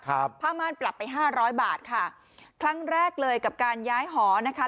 ผ้าม่านปรับไปห้าร้อยบาทค่ะครั้งแรกเลยกับการย้ายหอนะคะ